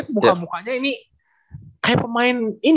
ini kalau gue lihat muka mukanya ini kayak pemain ini mungkin ya